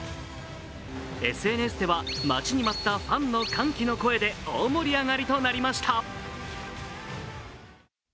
ＳＮＳでは待ちに待ったファンの歓喜の声で大盛り上がりとなりました。